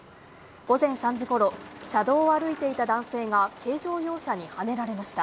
午前３時頃、車道を歩いていた男性が軽乗用車にはねられました。